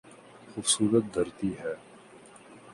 خوبصورت دھرتی ہے۔